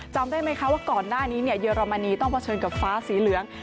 จำได้ไหมคะว่าก่อนหน้านี้เยอรมนีต้องเผชิญกับฟ้าสีเหลือง